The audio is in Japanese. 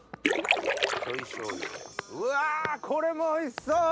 ちょい醤油でうわこれもおいしそう！